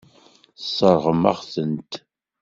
Tesseṛɣem-aɣ-tent.